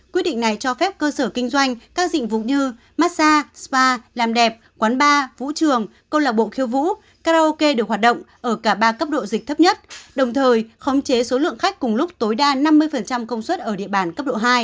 quyết định này cho phép cơ sở kinh doanh các dịch vụ như massage spa làm đẹp quán bar vũ trường câu lạc bộ khiêu vũ karaoke được hoạt động ở cả ba cấp độ dịch thấp nhất đồng thời khống chế số lượng khách cùng lúc tối đa năm mươi công suất ở địa bàn cấp độ hai